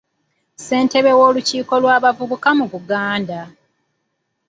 Ssentebe w’olukiiko lw’abavubuka mu Buganda.